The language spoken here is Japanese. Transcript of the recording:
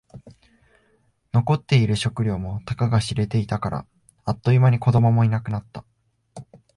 残っている食料もたかが知れていたから。あっという間に子供もいなくなった。